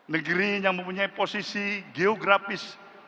negeri yang mempunyai posisi geografis